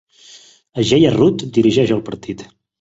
Ajeya Rout dirigeix el partit.